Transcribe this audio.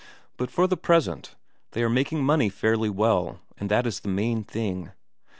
But for the present, they are making money fairly well, and that is the main thing.